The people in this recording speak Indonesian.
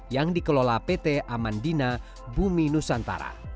yang dikelola pt amandina bumi nusantara